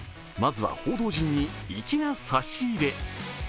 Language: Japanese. まずは報道陣に粋な差し入れ。